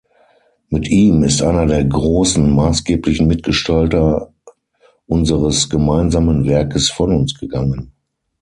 Mit ihm ist einer der großen, maßgeblichen Mitgestalter unseres gemeinsamen Werkes von uns gegangen.